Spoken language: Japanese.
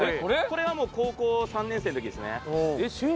これはもう高校３年生の時ですね。